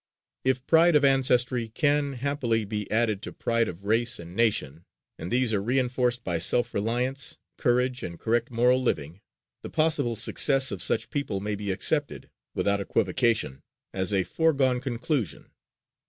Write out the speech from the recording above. If pride of ancestry can, happily, be added to pride of race and nation, and these are re enforced by self reliance, courage and correct moral living, the possible success of such people may be accepted, without equivocation, as a foregone conclusion.